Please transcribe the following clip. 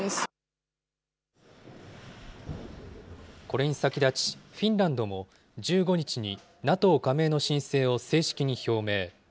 これに先立ち、フィンランドも１５日にＮＡＴＯ加盟の申請を正式に表明。